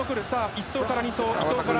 １走から２走。